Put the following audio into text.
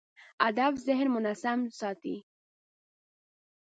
هدف ذهن منظم ساتي.